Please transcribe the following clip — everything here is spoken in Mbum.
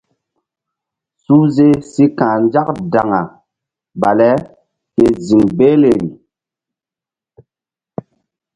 Suhze si ka̧h nzak daŋa bale ke si ziŋ behleri.